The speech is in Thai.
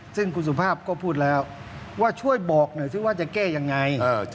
ซึ่งคุณสุภาพก็พูดแล้วว่าช่วยบอกหน่อยสิว่าจะแก้ยังไง